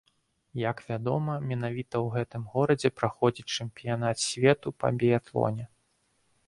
Як вядома, менавіта ў гэтым горадзе праходзіць чэмпіянат свету па біятлоне.